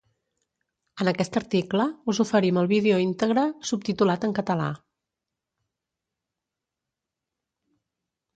En aquest article us oferim el vídeo íntegre, subtitulat en català.